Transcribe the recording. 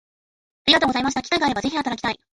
ありがとうございました機会があれば是非働きたい